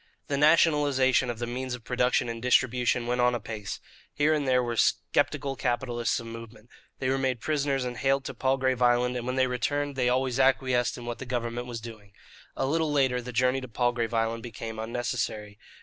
The nationalization of the means of production and distribution went on apace. Here and there were sceptical capitalists of moment. They were made prisoners and haled to Palgrave Island, and when they returned they always acquiesced in what the government was doing. A little later the journey to Palgrave Island became unnecessary.